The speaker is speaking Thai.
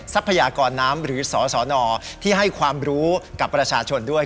ทรัพยากรน้ำหรือสสนที่ให้ความรู้กับประชาชนด้วย